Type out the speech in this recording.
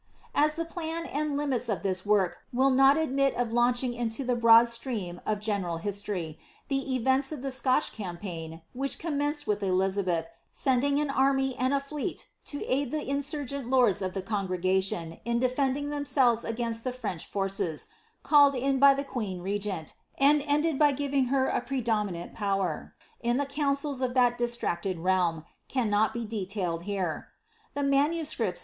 As the plan and limits of this work will not admit of launching into tbe broad stream of general history, the events of the Scotch campaign, which commenced with EUizabeth sending an army and a fleet to aid the insurgent lords of the congregation, in defending themselves agaiuKt 'Forbes' State Prnpers; Lingmrd; Sharon Turner. ^lAivi^* 133 BftlSABBTH. the French foicesy called in by the queer ^regent, and ended hr fivi>| her a predominant power, in the councils of that distracted realm, qbd not be detailed here. The MSS.